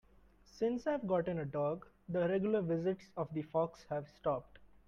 Since I've gotten a dog, the regular visits of the fox have stopped.